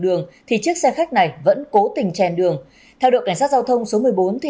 đường thì chiếc xe khách này vẫn cố tình chèn đường theo đội cảnh sát giao thông số một mươi bốn thì